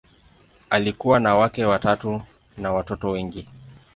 Alikuwa na wake watatu na watoto wengi.